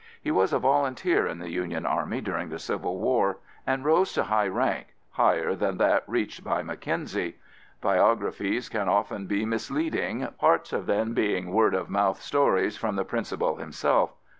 He was a volunteer in the Union Army during the Civil War and rose to high rank, higher than that reached by Mackenzie. Biographies can often be misleading, parts of them being word of mouth stories from the principal himself.